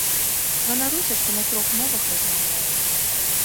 Ганаруся, што на трох мовах размаўляю.